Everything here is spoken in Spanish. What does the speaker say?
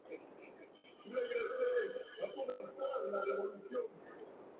Son muchos los automóviles deportivos asociados en mayor o menor medida a Carroll Shelby.